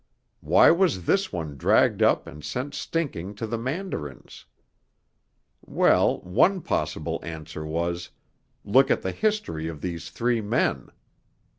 Why was this one dragged up and sent stinking to the mandarins? Well, one possible answer was 'Look at the history of these three men.'